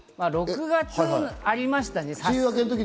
６月にありましたね。